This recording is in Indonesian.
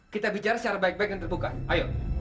kita bicara secara baik baik dan terbuka ayo